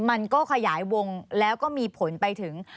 มันก็ขยายวงแล้วก็มีผลไปถึง